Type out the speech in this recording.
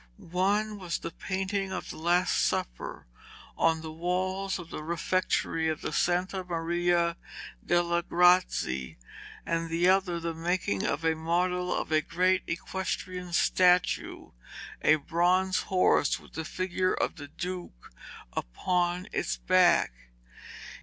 One was the painting of the Last Supper on the walls of the refectory of Santa Maria delle Grazie, and the other the making of a model of a great equestrian statue, a bronze horse with the figure of the Duke upon its back.